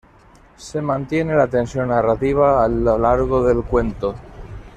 Se mantiene la tensión narrativa a lo largo del cuento.